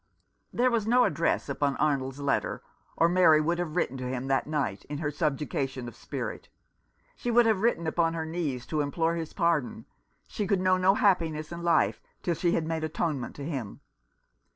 There was no address upon Arnold's letter, or Mary would have written to him that night, in her subjugation of spirit. She would have written upon her knees to implore his pardon. She could know no happiness in life till she had made atone ment to him.